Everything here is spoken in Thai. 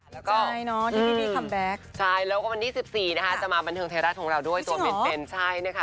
ซีเกิ้ลได้ฟังกันวันที่สิบสามพฤษฎิกาอย่างนี้นะครับ